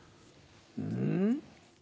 うん？